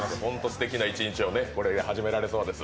すてきな１日をこれで始められそうです。